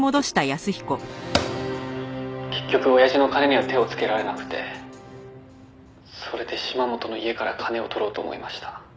「結局おやじの金には手をつけられなくてそれで島本の家から金を取ろうと思いました」